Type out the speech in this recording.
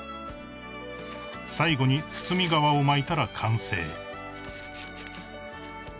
［最後に包み皮を巻いたら完成］